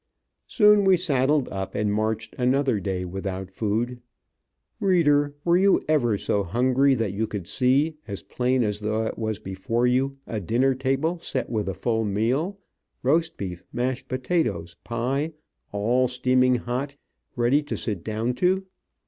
Soon we saddled up and marched another day without food. Reader, were you ever so hungry that you could see, as plain as though it was before you, a dinner table set with a full meal, roast beef, mashed potatoes, pie, all steaming hot, ready to sit down to?